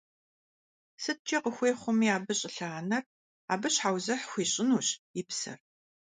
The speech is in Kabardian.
СыткӀэ къыхуей хъуми абы щӀылъэ – анэр абы щхьэузыхь хуищӀынущ и псэр.